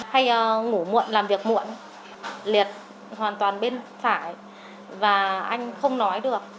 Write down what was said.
hay ngủ muộn làm việc muộn liệt hoàn toàn bên phải và anh không nói được